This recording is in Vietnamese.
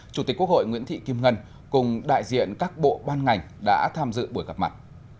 chủ tịch quốc hội nguyễn thị kim ngân cùng đại diện các bộ ban ngành đã tham dự buổi gặp mặt